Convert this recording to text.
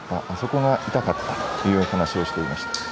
あそこが痛かったという話をしていました。